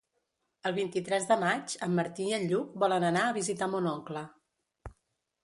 El vint-i-tres de maig en Martí i en Lluc volen anar a visitar mon oncle.